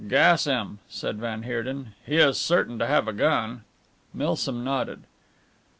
"Gas him," said van Heerden, "he is certain to have a gun." Milsom nodded.